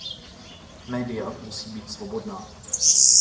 Média musí být svobodná.